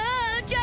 あ？